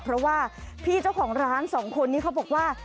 เพราะว่าพี่เจ้าของร้านสองคนนี้เขาบอกว่า